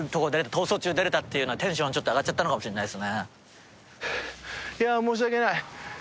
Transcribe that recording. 『逃走中』出られたっていうのはテンションちょっと上がっちゃったかもしれないですね。